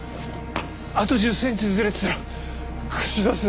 あと１０センチずれてたら串刺しだ。